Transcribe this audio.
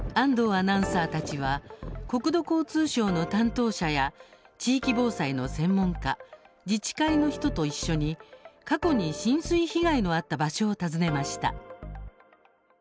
アナウンサーたちは国土交通省の担当者や地域防災の専門家自治会の人と一緒に過去に浸水被害の遭った場所を訪ねました。